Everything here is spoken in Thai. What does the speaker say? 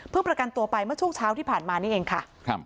ประกันตัวไปเมื่อช่วงเช้าที่ผ่านมานี่เองค่ะครับ